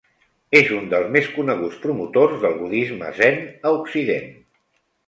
És un dels més coneguts promotors del budisme zen a occident.